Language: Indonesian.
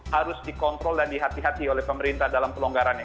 harus dikontrol dan dihati hati oleh pemerintah dalam pelonggarannya